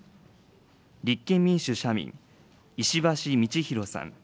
立憲民主・社民、石橋通宏さん。